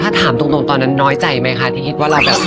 ถ้าถามตรงตอนนั้นน้อยใจไหมคะที่คิดว่าเราแบบ